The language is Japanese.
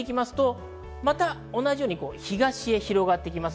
同じように東へ広がっていきます。